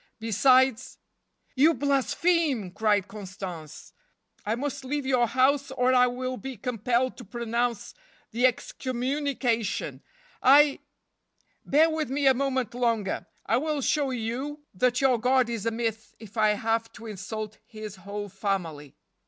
Besides " "You blaspheme!" cried Constance, "I must leave your house or I will be compelled to pronounce the excommunication. I "" Bear with me a moment longer. I will show you [ 38 ] that your God is a myth if I have to insult His whole family."